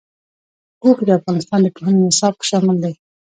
اوښ د افغانستان د پوهنې نصاب کې شامل دي.